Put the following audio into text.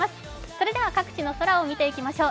それでは各地の空を見ていきましょう。